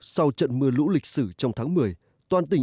sau trận mưa lũ lịch sử trong tháng một mươi